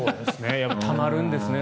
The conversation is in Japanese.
たまるんですね